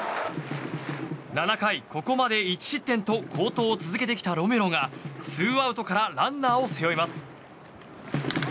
７回、ここまで１失点と好投を続けてきたロメロがツーアウトからランナーを背負います。